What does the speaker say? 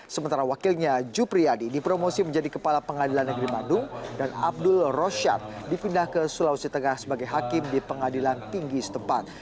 sementara wakilnya jupriyadi dipromosi menjadi kepala pengadilan negeri bandung dan abdul rosyad dipindah ke sulawesi tengah sebagai hakim di pengadilan tinggi setempat